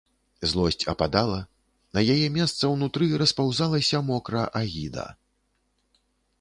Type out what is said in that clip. Злосць ападала, на яе месца ўнутры распаўзалася мокра агіда.